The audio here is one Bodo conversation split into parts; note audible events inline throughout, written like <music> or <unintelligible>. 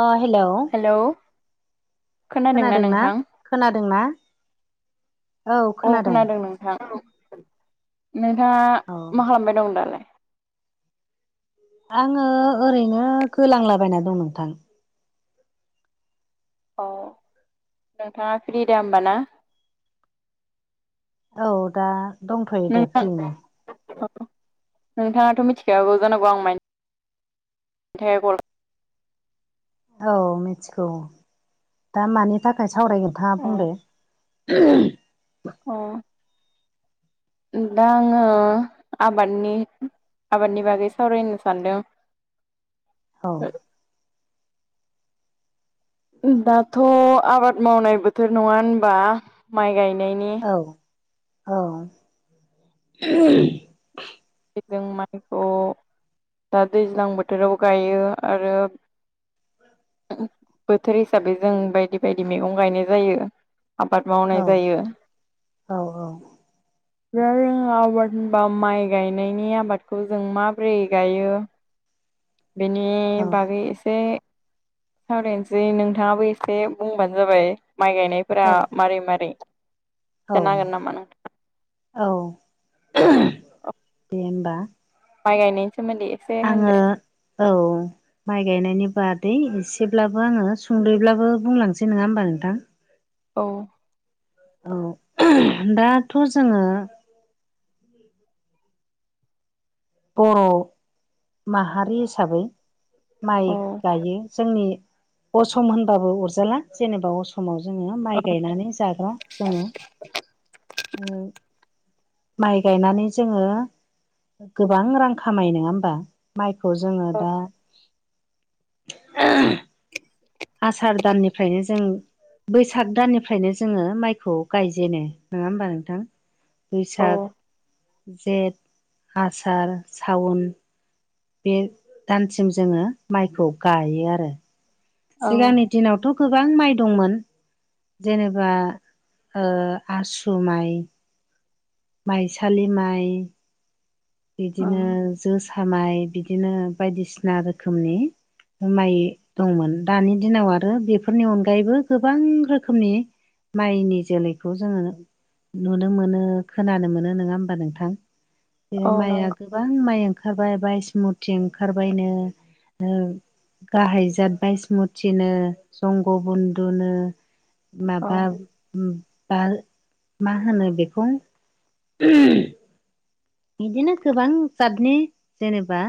ओ हेलौ हेलौ खोनादोंना खोनादोंना? औ खोनादों नोंथां नोंथाङा औ मा खालामबाय दं दालाय? आङो ओरैनो गोलांला बायना दं नोंथां अ नोंथाङा फ्रि दा ओमबा ना? औ दा दंथ'यो दे नोंथां फ्रियैनो <unintelligible> नोंथाङाथ' मिथिखागौ जानांगौ आं मानि थाखाय कल औ मिथिगौ दा मानि थाखाय सावरायो नोंथाङा बुंदो <unintelligible> अ दा आङो आबादनि आबादनि बागै सावरायनो सानदों औ दाथ' आबाद मावनाय बोथोर नङा होनबा माइ गायनायनि औ औ <unintelligible> जों माइखौ दा दैज्लां बोथोराव गायो आरो <unintelligible> बोथोर हिसाबै जों बायदि बायदि मैगं गायनाय जायो आबाद मावनाय औ जायो औ औ दा जोङो आबाद होनबा माइ गायनायनि आबादखौ जों माबोरै गायो बेनि औ बागै एसे सावरायनोसै नोंथाङाबो एसे बुंबानो जाबाय माइ औ गायनायफोरा मारै मारै औ खिथानो हागोन नामा नों औ दे होमबा माइ गायनायनि सोमोन्दै एसे होनदो आंङो औ माइ गायनायनि बादै एसेब्लाबो आङो सुंदैब्लाबो बुंलांसै नंङा होमबा नोंथां औ औ दाथ' जोंङो बर' माहारि हिसाबै माइ औ गायो जोंनि असम होनबाबो अरजाला जेनेबा अस माव जोङो माइ गायनानै जाग्रा जोङो माइ गायनानै जोङो गोबां रां खामायो नङा होमबा माइखौ जोङो दा आसार दाननिफ्रायनो जों बैसाग दाननिफ्रायनो जोङो माइखौ गायजेनो नङा होमबा नोंथां औ बैसाग जेठ आसार सावन बे दानसिम जोंङो माइखौ गायो आरो औ सिगांनि दिनावथ' गोबां माइ दंमोन जेनेबा आसु माइ माइसालि माइ बिदिनो जोसा माइ बिदिनो बायदिसिना रोखोमनि माइ दंमोन दानि दिनाव आरो बेफोरनि अनगायैबो गोबां रोखोमनि माइनि जोलैखौ जोंङो नुनो मोनो खोनानो मोनो नोङा होमबा नोंथां बे औ माइआ नंगौ गोबां माइ ओंखारबाय बाइस्मुति ओंखारबायनो गाहाय जाद बाइस्मुथिनो जंग बुन्दुनो औ माबा बा मा होनो बेखौ बिदिनो गोबां जादनि जेनेबा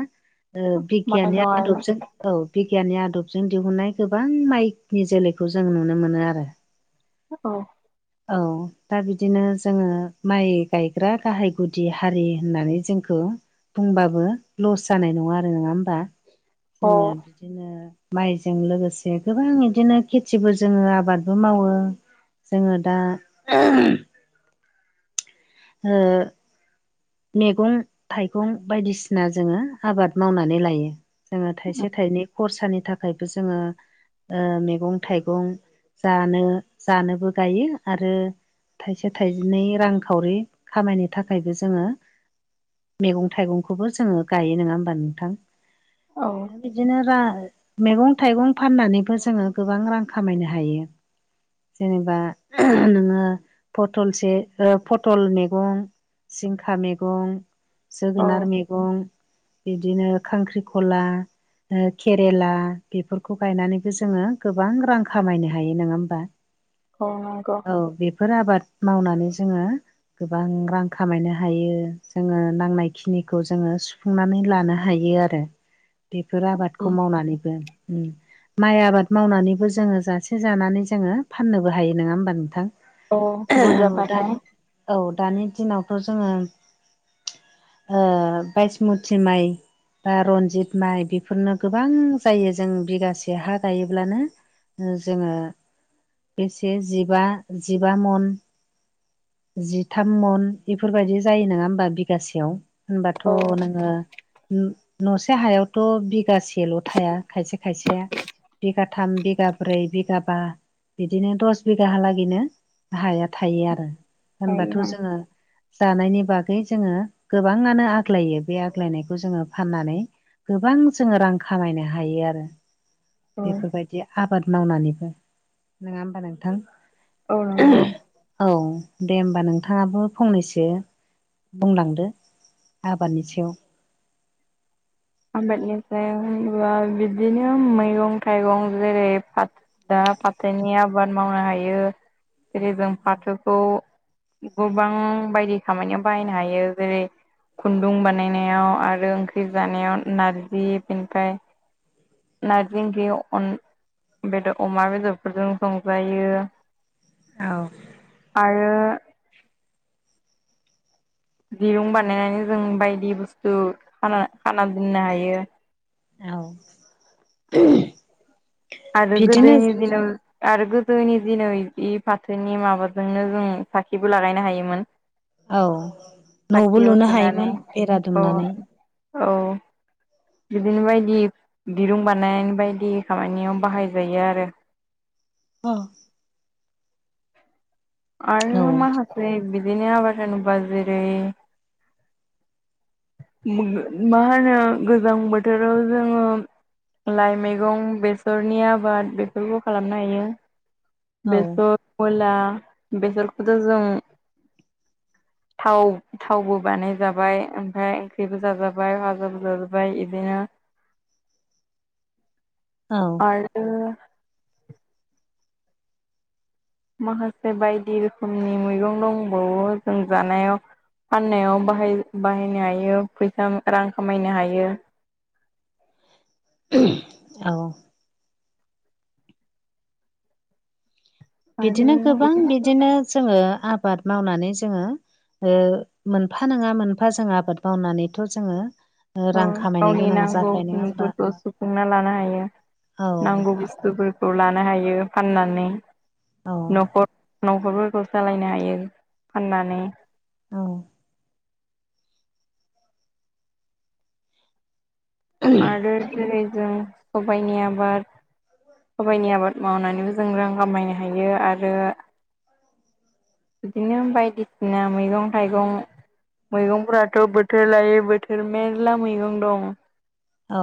माइ बिगियाननि दं आरोना आदबजों औ बिगियाननि आदबजों दिहुन्नाय गोबां माइनि जोलैखौ जों नुनो मोनो आरो औ औ दा बिदिनो जोङो माइ गायग्रा गाहाय गुदि हारि होननानै जोंखौ बुंबाबो लस जानाय नङा आरो नोङा होमबा औ जोङो बिदिनो माइजों लोगोसे गोबां बिदिनो खेथिबो जोङो आबादबो मावो जोंङो दा ओ मैगं थाइगं बायदिसिना जोंङो आबाद मावनानै लायो जोंङो थाइसे थाइनै खरसानि थाखायबो जोंङो ओ मैगं थाइगं जानो जानोबो गायो आरो थाइसे थाइनै रांखावरि खामायनो थाखायबो जोङो मैगं थाइगंखौबो जोङो गायो नंङा होमबा नोंथां औ बिदिनो रा मैगं थाइगं फाननानैबो जोंङो गोबां रां खामायनो हायो जेनेबा नोंङो फटलसे ओ पटल मैगं जिंखा मैगं औ जोगोनार मैगं बिदिनो खांख्रिखला ओ केरेला बेफोरखौ गायनानैबो जोंङो गोबां रां खामायनो हायो नंङा होमबा <inaudible> औ नंगौ औ बेफोर आबाद मावनानै जोंङो गोबां रां खामायनो हायो जोंङो नांनाय खिनिखौ जोङो सुफुंनानै लानो हायो आरो बेफोर आबादखौ मावनानैबो माइ आबाद मावनानैबो जोंङो जासे जानानै जोंङो फाननोबो हायो नंङा होमबा नोंथां औ औ दा बुरजाबाथाय औ दानि दिनावथ' जोंङो ओ बायस मुथि माइ बा रनजित माइ बेफोरनो गोबां जायो जों बिगासे हा गायोब्लानो ओ जोङो बेसे जिबा जिबा मन जिथाम मन बेफोरबायदि जायो नङा होमबा बिगासेयाव होनबाथ' औ नोङो न न'से हायावथ' बिगासेल' थाया खायसे खायसेया बिगाथाम बिगा ब्रै बिगाबा बिदिनो दस बिगाहालागैनो हाया थायो आरो होनबाथ' जोङो जानायनि बागै जोङो गोबाङानो आग्लायो बे आग्लायनायखौ जोङो फाननानै गोबां जोङो रां खामायनो हायो आरो औ बेफोरबायदि आबाद मावनानैबो नङा होमबा नोंथां औ नंगौ औ दे होमबा नोंथाङाबो फंनैसो बुंलांदो आबादनि सायाव आबादनिफ्राय होनबा बिदिनो मैगं थाइगं जेरै फाथो दा फाथोनि आबाद मावनो हायो जेरै जों फाथोखौ गोबां बायदि खामानियाव बाहायनो हायो जेरै खुन्दुं बानायनायाव आरो ओंख्रि जानायाव नारजि बेनिफ्राय नारजि ओंख्रियाव अन बेदर अमा बेदरफोरजों संजायो औ आरो दिरुं बानायनानै जों बायदि बुस्थु खाना खाना दोननो हायो औ आरो बिदिनो गोदोनि दिनाव आरो गोदोनि दिनाव इदि फाथोनि माबाजोंनो जों साखिबो लागायनो हायोमोन औ न'बो साखियाव लुनो सोनानै हायोमोन बेरा औ दुमनानै औ बिदिनो बायदि दिरुं बानायनाय बायदि खामानियाव बाहायजायो आरो औ औ आरो माखासे बिदिनो आबाद होनोब्ला जेरै मा होनो गोजां बोथोराव जोङो लाइ मैगं बेसरनि आबाद बेफोरखौ खालामनो हायो बेसर मुला बेसरखौबोथ जों थाव थावबो बानायजाबाय ओमफ्राय ओंख्रिबो जाजाबाय भाजाबो जाजाबाय बिदिनो औ आरो माखासे बायदि रोखोमनि मैगं दंबावो जों जानायाव फाननायावहाय बाहायनो हायो फैसा रां खामायनो हायो औ बिदिनो आरो गोबां बिदिनो जोङो आबाद मावनानै जोङो मोनफा नङा मोनफा जों आबाद मावनानैथ' जोङो ओ रां खामायनो गावनि गोनां जाखायो नङा होमबा नांगौखिनिफोरखौ सुफुंना लानो हायो औ नांगौ बुस्थुफोरखौ लानो हायो फाननानै औ न'खर न'खरफोरखौ सालायनो हायो फाननानै औ आरो जेरै जों सबाइनि आबाद सबाइनि आबाद मावनानैबो जों रां खामायनो हायो आरो बिदिनो बायदिसिना मैगं थाइगं मैगंफ्राथ' बोथोर लायै बोथोर मेरला मैगं दं औ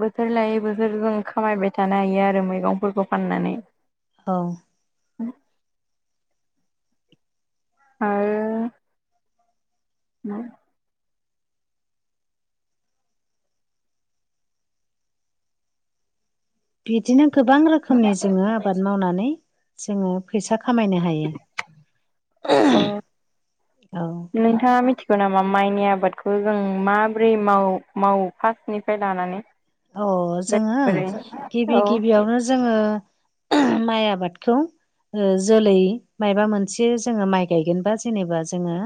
बोथोर लायै बोथोर जों खामायबाय थानो हायो आरो मैगंफोरखौ फाननानै औ आरो <inaudible> बिदिनो गोबां रोखोमनि जोङो आबाद मावनानै जोङो फैसा खामायनो हायो ओ हायो औ नोंथाङा दा मिथि जेनेबा माइनि आबादखौ जों माबोरै माव मावो फार्स्टनिफ्राय लानानै अ जोङो बोरै गिबि औ गिबियावनो जोङो माइ आबादखौ जोलै माबा मोनसे जोङो माइ गायगोनबा जेनेबा जोङो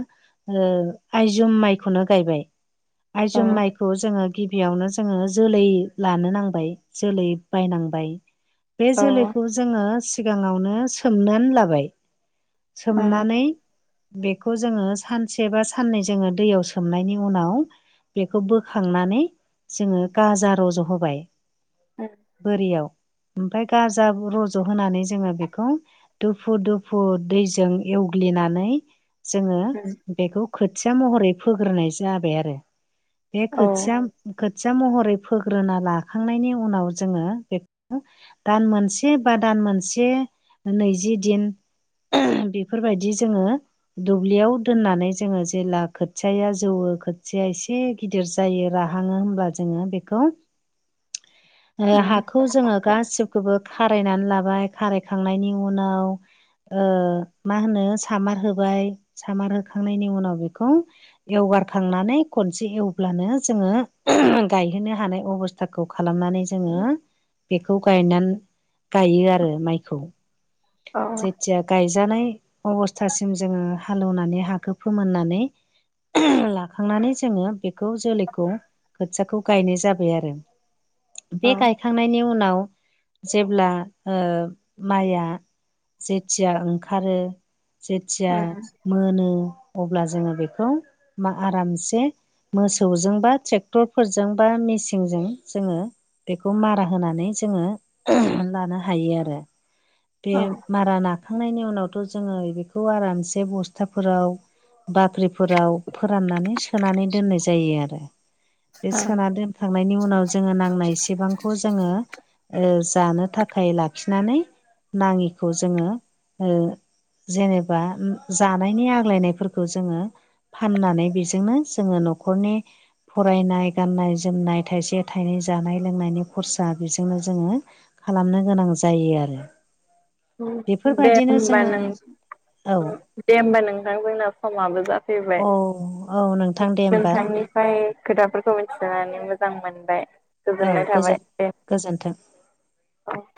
आयजुम माइखौनो गायबाय औ आइजुम माइखौ जोङो गिबियावनो जोङो जोलै लानो नांबाय जोलै बायनांबाय बे औ जोलैखौ जोङो सिगाङावनो सोमनानै लाबाय ओम सोमनानै बेखौ जोङो सानसे बा साननै जोङो दैयाव सोमनायनि उनाव बेखौ बोखांनानै जोङो गाजा रज' होबाय बोरियाव ओमफ्राय गाजा रज' होनानै जोङो बेखौ दुफु दुफु दैजों एवग्लिनानै जोङो <inaudible> बेखौ खोथिया महरै फोग्रोनाय जाबाय आरो बे औ खोया खोथिया महर रै फोग्रोना लाखांनायनि उनाव जोङो बेखौ दान मोनसे बा दान मोनसे नैजि दिन बेफोरबायदि जोङो दुब्लियाव दोननानै जोङो जेब्ला खोथियाया जौवो खोथिया एसे गिदिर जायो राहाङो होब्ला जोङो बे खौ ओम हाखौ जोङो गासिबो खौबो खारायनानै लाबाय खारायखांनायनि उनाव ओ मा होनो सामार होबाय सामार होखांनायनि उनाव बेखौ एवगारखांनानै खनसे एवब्लानो जोङो गायो। गायनो हानाय अबस्थाखौ खालामनानै जोङो बेखौ गायनानै गायो आरो माइखौ। औ जेथिया गायजानाय अबस्थासिम जोङो हालेवनानै हाखौ फोमोननानै लाखांनानै जोङो बेखौ जोलैखौ खोथियाखौ गायनाय जाबाय आरो। बे गायखांनायनि उनाव जेब्ला माइआ जेथिया ओंखारो जेथिया ओम मोनो अब्ला जोङो बेखौ मा आरामसे मोसौजों बा ट्रेक्टरफोरजों बा मेसिनजों जोङो बेखौ मारा होनानै जोङो लानो हायो आरो। बे औ मारा नाखांनायनि उनावथ' जोङो बेखौ आरामसे बस्थाफोराव बत्रिफोराव फोराननानै सो सोनानै दोननाय जायो आरो बे औ सोना दोन खांनायनि उनाव जोङो नांनायसेबांखौ जोङो जानो थाखाय लाखिनानै नाङिखौ जोङो ओ जेनेबा जानायनि आग्लायनायफोरखौ जोङो फाननानै बेजोंनो जोङो न'खरनि फरायनाय गाननाय जोमनाय थाइसे थाइनै जानाय लोंनायनि खरसा बेजोंनो जोङो खालामनो गोनां जायो आरो। दे बेफोरबायदिनो होमबा जोङो लाय औ दे होमबा नोंथां जोंना समाबो जाफैबाय औ औ नोंथां दे होमबा नोंथांनि फ्राय खोथाफोरखौ मिथिनानै मोजां मोनबाय औ गोजोननाय गोजोन थाबाय दे। गोजोन्थों औ